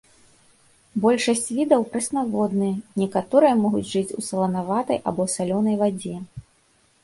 Большасць відаў прэснаводныя, некаторыя могуць жыць у саланаватай або салёнай вадзе.